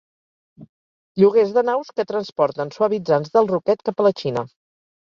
Lloguers de naus que transporten suavitzants del ruquet cap a la Xina.